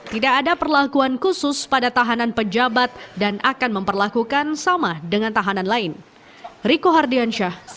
tidak ada perlakuan khusus pada tahanan pejabat dan akan memperlakukan sama dengan tahanan lain